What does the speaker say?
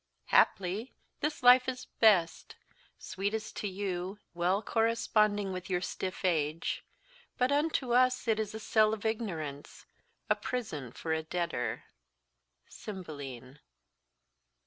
"Haply this life is best, Sweetest to you, well corresponding With your stiff age; but unto us it is A cell of ignorance, a prison for a debtor." _Cymbeline.